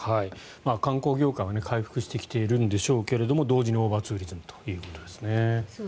観光業界は回復してきているんでしょうけど同時にオーバーツーリズムということですね。